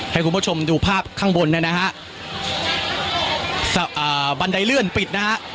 ให้คุณผู้ชมดูภาพข้างบนเนี่ยนะฮะอ่าบันไดเลื่อนปิดนะฮะ